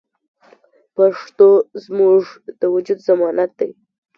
پښتو زموږ د وجود ضمانت دی.